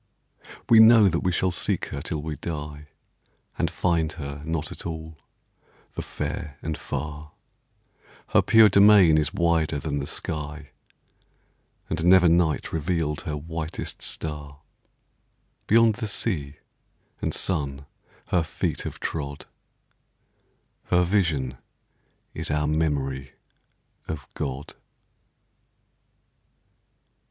We know that we shall seek her till we die, And find her not at all, the fair and far: Her pure domain is wider than the sky, And never night revealed her whitest star; Beyond the sea and sun her feet have trod; Her vision is our memory of God.